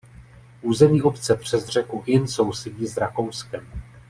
Území obce přes řeku Inn sousedí s Rakouskem.